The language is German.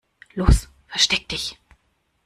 Los, versteck dich!